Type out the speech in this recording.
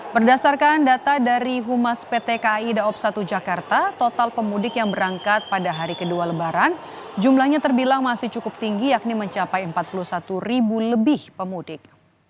berdasarkan data dari humas pt kai daob satu jakarta total pemudik yang berangkat pada hari kedua lebaran jumlahnya terbilang masih cukup tinggi yakni mencapai empat puluh satu ribu lebih pemudik